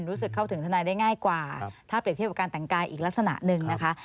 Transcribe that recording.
รู้สึกเข้าถึงทนายได้ง่ายกว่าถ้าเปรียบเทียบกับการแต่งกายอีกลักษณะหนึ่งนะคะ